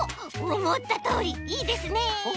おもったとおりいいですね。